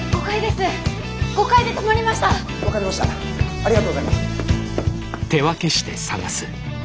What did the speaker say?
ありがとうございます！